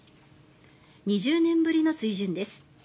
２０年ぶりの水準です。